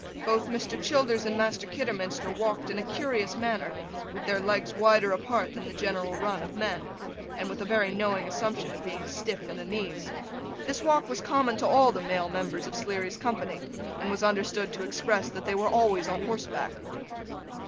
Both Mr. Childers and Master Kidderminster walked in a curious manner; with their legs wider apart than the general run of men, and with a very knowing assumption of being stiff in the knees. This walk was common to all the male members of Sleary's company, and was understood to express, that they were always on horseback.